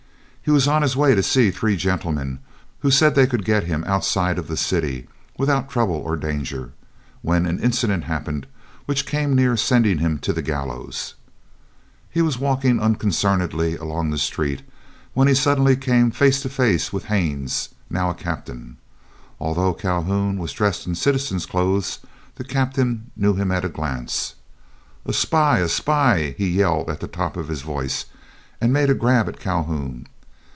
He was on his way to see three gentlemen who said they could get him outside of the city without trouble or danger, when an incident happened which came near sending him to the gallows. He was walking unconcernedly along the street, when he suddenly came face to face with Haines, now a captain. Although Calhoun was dressed in citizen's clothes, the captain knew him at a glance. "A spy! A spy!" he yelled at the top of his voice, and made a grab at Calhoun.